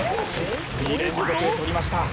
２連続で取りました。